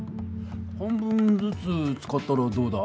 半分ずつ使ったらどうだ？